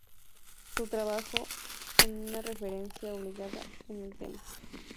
Su trabajo "Los Petroglifos de Venezuela", es una referencia obligada en el tema.